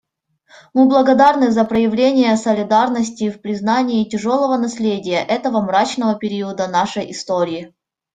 Мы благодарны за проявление солидарности в признании тяжелого наследия этого мрачного периода нашей истории.